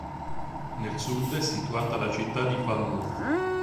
Nel sud è situata la città di Falmouth.